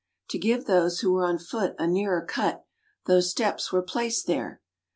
To give those who were on foot a nearer cut, those steps were placed there.